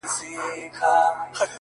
o خدايه ښه نـری بـاران پرې وكړې نن؛